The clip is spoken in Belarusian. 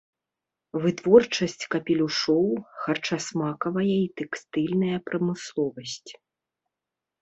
Вытворчасць капелюшоў, харчасмакавая і тэкстыльная прамысловасць.